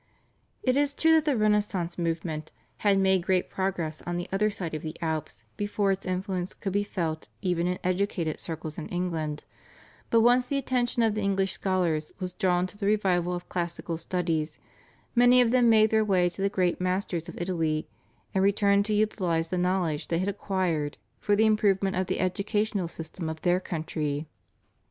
It is true that the Renaissance movement had made great progress on the other side of the Alps before its influence could be felt even in educated circles in England, but once the attention of the English scholars was drawn to the revival of classical studies many of them made their way to the great masters of Italy, and returned to utilise the knowledge they had acquired for the improvement of the educational system of their country.